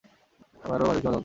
আমি আরো বেশি মজা করতে পারি।